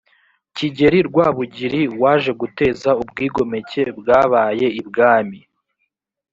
kigeri rwabugiri waje guteza ubwigomeke bwabaye ibwami